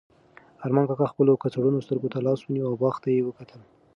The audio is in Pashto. ارمان کاکا خپلو کڅوړنو سترګو ته لاس ونیو او باغ ته یې وکتل.